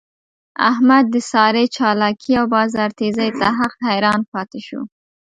احمد د سارې چالاکی او بازار تېزۍ ته حق حیران پاتې شو.